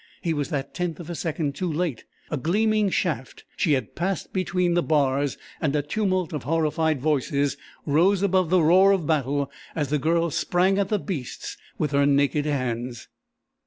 He was that tenth of a second too late. A gleaming shaft, she had passed between the bars and a tumult of horrified voices rose above the roar of battle as the girl sprang at the beasts with her naked hands.